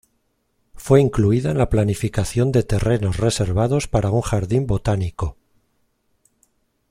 Fue incluida en la planificación de terrenos reservados para un "jardín botánico".